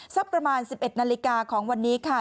สักประมาณ๑๑นาฬิกาของวันนี้ค่ะ